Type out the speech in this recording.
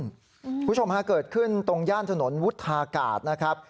คุณผู้ชมฮะเกิดขึ้นตรงย่านถนนวุฒากาศนะครับ